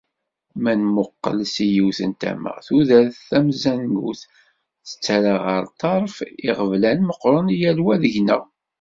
Ma nmuqel seg yiwet n tama, tudert d tamezzangut. Tettarra ɣer ṭṭerf iɣeblan meqqren i yal wa deg-neɣ.